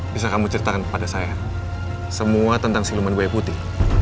bisa kamu ceritakan kepada saya semua tentang siluman bayi putih